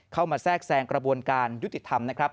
แทรกแซงกระบวนการยุติธรรมนะครับ